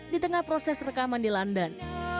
di tengah proses rekaman di london